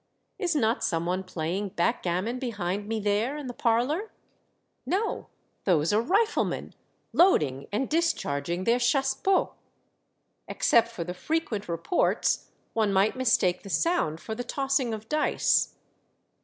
Is not some one playing backgammon behind me there, in the parlor? At the Outposts, loi No ! those are riflemen, loading and discharging their chassepots. Except for the frequent re ports, one might mistake the sound for the tossing of dice.